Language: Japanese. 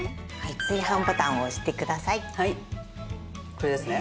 これですね。